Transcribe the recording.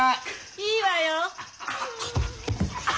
いいわよ。